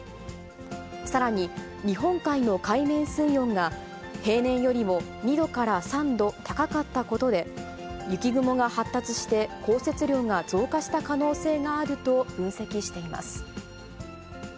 さらに、日本海の海面水温が平年よりも２度から３度高かったことで、雪雲が発達して降雪量が増加した可能性があると分析しています。